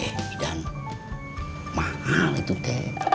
eh dan mahal itu ke